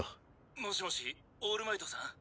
もしもしオールマイトさん？